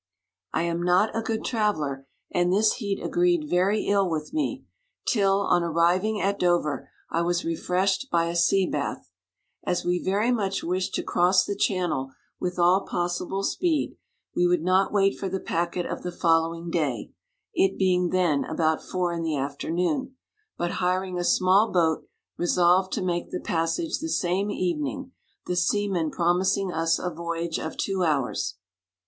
I am not a good traveller, and this heat agreed very ill with me, till, on arriving at Do ver, I was refreshed by a sea bath. As we very much wished to cross the chan nel with all possible speed, we would not wait for the packet of the following day (it being then about four in the afternoon) but hiring a smaH boat, re solved to make the passage the same evening, the seamen promising us a voyage of two hours.